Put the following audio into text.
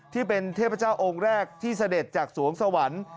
ที่เป็นเทพเจ้าองค์แรกที่เสด็จจากสวงสวรรค์